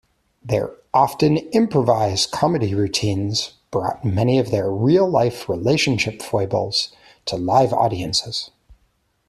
Their often-improvised comedy routines brought many of their real-life relationship foibles to live audiences.